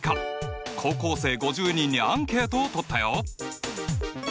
高校生５０人にアンケートをとったよ！